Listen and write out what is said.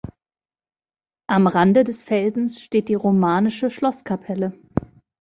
Am Rande des Felsens steht die romanische Schlosskapelle.